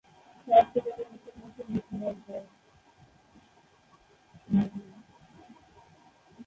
তার ছোট বোন এপ্রিল মাসে মৃত্যুবরণ করে।